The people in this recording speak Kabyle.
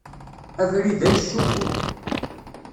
Abrid-a yessufuɣ.